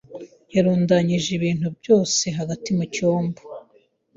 yarundanyije ibintu byose hagati mu cyumba.